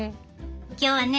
今日はね